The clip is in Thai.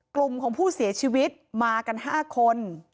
กลุ่มของผู้เสียชีวิตมากัน๕คน